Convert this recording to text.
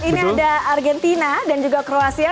ini ada argentina dan juga kroasia